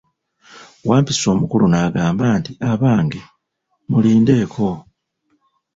Wampisi omukulu n'agamba nti, abange, mulindeko.